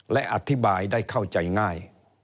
และอธิบายได้เข้าใจง่าย